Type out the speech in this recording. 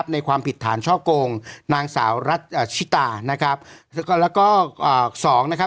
ในความผิดฐานโชกงนางสาวชิตา